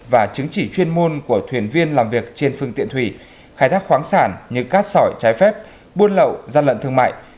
và chứng chỉ chuyên môn của thuyền viên làm việc trên phương tiện thủy khai thác khoáng sản như cát sỏi trái phép buôn lậu gian lận thương mại